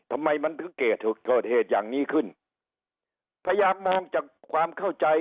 ทำไมมันถึงเกิดเหตุอย่างนี้ขึ้นพยายามมองจากความเข้าใจ